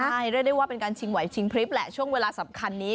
ใช่เรียกได้ว่าเป็นการชิงไหวชิงพริบแหละช่วงเวลาสำคัญนี้